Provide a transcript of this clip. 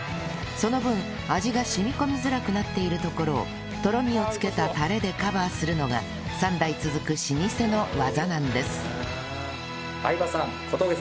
その分味が染み込みづらくなっているところをとろみをつけたタレでカバーするのが３代続く老舗の技なんです